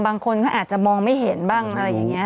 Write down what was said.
บางคนเขาอาจจะมองไม่เห็นบ้างอะไรอย่างนี้